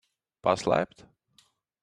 Paslēpt?